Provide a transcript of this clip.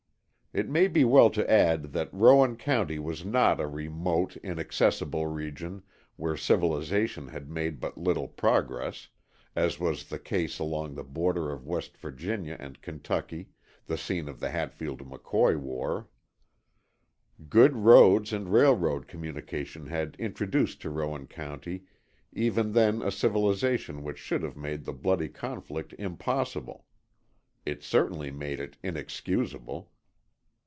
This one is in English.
It may be well to add that Rowan County was not a remote, inaccessible region where civilization had made but little progress, as was the case along the border of West Virginia and Kentucky, the scene of the Hatfield McCoy war. Good roads and railroad communication had introduced to Rowan County even then a civilization which should have made the bloody conflict impossible; it certainly made it inexcusable.